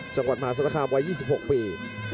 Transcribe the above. จังหวัดมหาศาลคามวัย๒๖ปี